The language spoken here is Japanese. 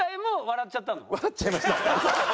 笑っちゃいました。